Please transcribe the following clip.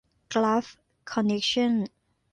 กัลฟ์ คอนเนคชั่น